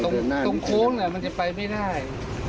ตรงโค้งมันจะไปไม่ได้